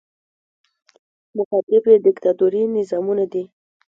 مخاطب یې دیکتاتوري نظامونه دي.